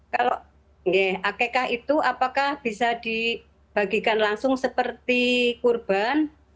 kalau akekah itu apakah bisa dibagikan langsung seperti kurban